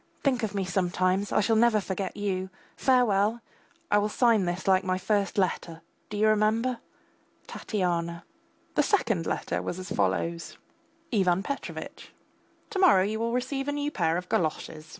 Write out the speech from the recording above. Think of me sometimes; I shall never forget you. Farewell! I sign this last like my first letter, do you remember? TATYANA. The second letter was as follows: IVAN PETROVITCH, To morrow you will receive a new pair of galoshes.